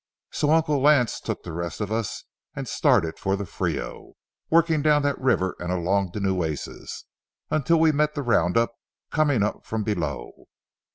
So Uncle Lance took the rest of us and started for the Frio, working down that river and along the Nueces, until we met the round up coming up from below.